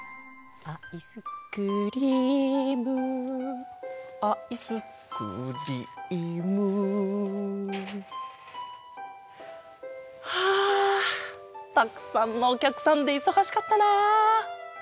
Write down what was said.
「アイスクリームアイスクリーム」はあたくさんのおきゃくさんでいそがしかったな。